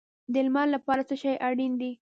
د لمر لپاره څه شی اړین دی؟